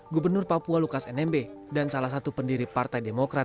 gubernur papua lukas nmb dan salah satu pendiri partai demokrat